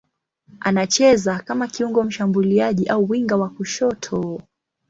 Anacheza kama kiungo mshambuliaji au winga wa kushoto.